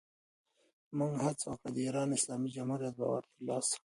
هغه هڅه وکړه، د ایران اسلامي جمهوریت باور ترلاسه کړي.